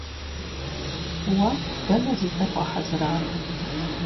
Уэ дэнэ зыздэбгъэхьэзырар?